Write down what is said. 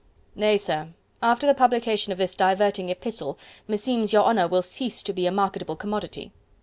"Nay, sir, after the publication of this diverting epistle, meseems your honour will ceased to be a marketable commodity."